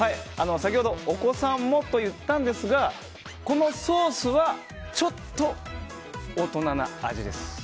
先ほどお子さんもと言ったんですがこのソースはちょっと大人な味です。